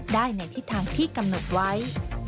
ได้ในทิศทางที่กำหนดไว้